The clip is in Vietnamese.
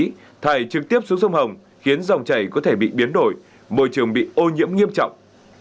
chất thải đập xuống sông hồng khiến dòng chạy có thể bị biến đổi môi trường bị ô nhiễm nghiêm trọng